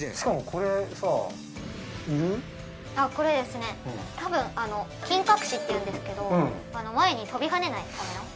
これですね多分金隠しっていうんですけど前に飛びはねないための。